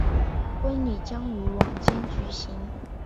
婚礼将于晚间举办。